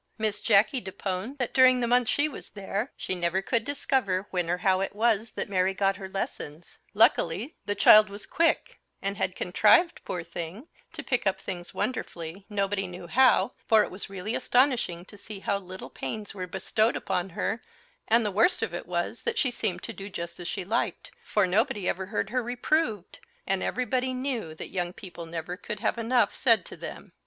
Miss Jacky deponed that during the month she was there she never could discover when or how it was that Mary got her lessons; luckily the child was quick, and had contrived, poor thing, to pick up things wonderfully, nobody knew how, for it was really astonishing to see how little pains were bestowed upon her and the worst of it was, that she seemed to do just as she liked, for nobody ever heard her reproved, and everybody knew that young people never could have enough said to them.